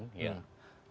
satu saya perlu luruskan